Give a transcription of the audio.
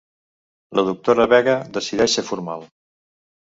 La doctora Vega decideix ser formal.